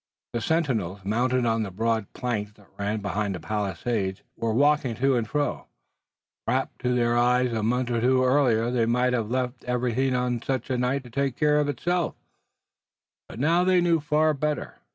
The sentinels, mounted on the broad plank that ran behind the palisade, were walking to and fro, wrapped to their eyes. A month or two earlier they might have left everything on such a night to take care of itself, but now they knew far better.